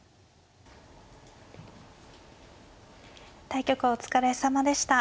対局お疲れさまでした。